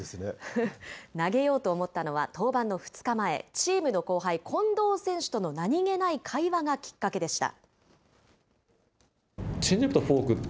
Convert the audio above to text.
投げようと思ったのは登板の２日前、チームの後輩、近藤選手との何気ない会話がきっかけでした。